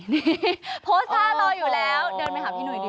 นี้โพสตาร์รออยู่แล้วเดินไปหาพี่หนุยดีกว่า